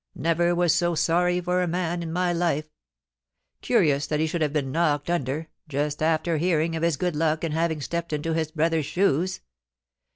Never was so sorry for a man in my life Curious that he should have been knocked under, just after hearing of his good luck in having stepped into his brothers shoes.